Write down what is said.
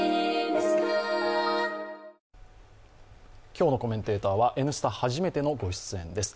今日のコメンテーターは「Ｎスタ」初めてのご出演です。